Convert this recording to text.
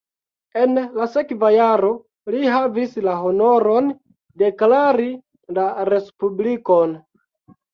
En la sekva jaro li havis la honoron deklari la respublikon.